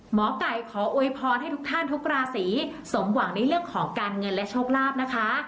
หมอไก่ขอโวยพรให้ทุกท่านทุกราศีสมหวังในเรื่องของการเงินและโชคลาภนะคะ